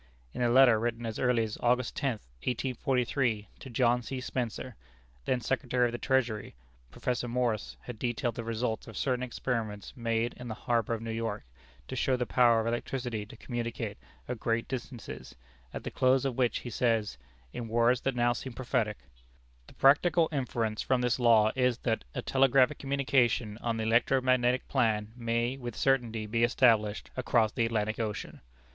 In a letter written as early as August tenth, 1843, to John C. Spencer, then Secretary of the Treasury, Professor Morse had detailed the results of certain experiments made in the harbor of New York to show the power of electricity to communicate at great distances, at the close of which he says in words that now seem prophetic: "The practical inference from this law is, that a telegraphic communication on the electro magnetic plan may with certainty be established across the Atlantic Ocean!